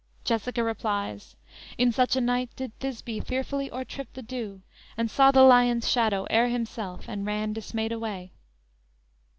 "_ Jessica replies: _"In such a night Did Thisbe fearfully o'ertrip the dew; And saw the lion's shadow ere himself, And ran dismayed away."